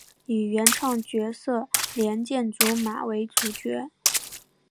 以原创角色莲见琢马为主角。